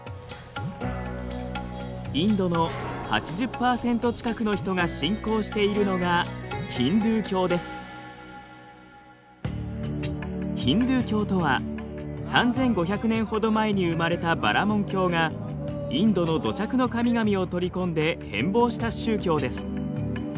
インドの８０％近くの人が信仰しているのがヒンドゥー教とは３，５００年ほど前に生まれたバラモン教がインドの土着の神々を取り込んで変貌した宗教です。